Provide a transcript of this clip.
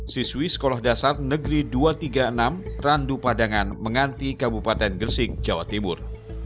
siswi sekolah dasar negeri dua ratus tiga puluh enam randu padangan menganti kabupaten gresik jawa timur